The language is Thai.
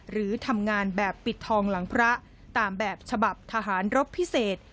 หรือทำงานแบบปิดทองหลังพระตามแบบฉบับทหารรบพิเศษ